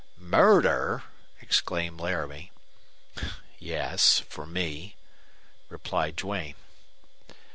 "Murder!" exclaimed Laramie. "Yes, for me," replied Duane.